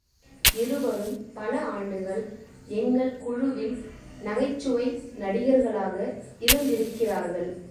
இருவரும் பல ஆண்டுகள் எங்கள் குழுவில் நகைச்சுவை நடிகர்களாக இருந்திருக்கிறார்கள்.